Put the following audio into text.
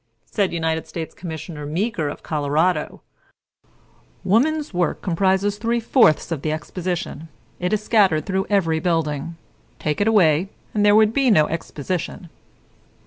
Said United States Commissioner Meeker of Colorado, "Woman's work comprises three fourths of the exposition; it is scattered through every building; take it away, and there would be no exposition."